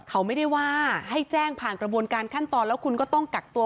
เขาไม่ได้ว่าให้แจ้งผ่านกระบวนการขั้นตอนแล้วคุณก็ต้องกักตัว